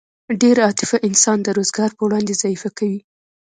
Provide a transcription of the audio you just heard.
ډېره عاطفه انسان د روزګار په وړاندې ضعیف کوي